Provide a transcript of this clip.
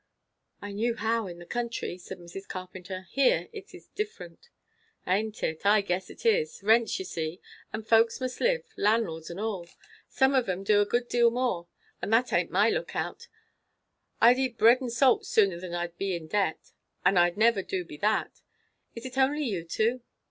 "I knew how in the country," said Mrs. Carpenter. "Here it is different." "Aint it! I guess it is. Rents, you see; and folks must live, landlords and all. Some of 'em do a good deal more; but that aint my lookout. I'd eat bread and salt sooner than I'd be in debt; and I never do be that. Is it only you two?"